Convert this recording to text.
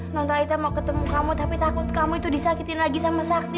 nontalita mau ketemu kamu tapi takut kamu disakitin lagi sama sakti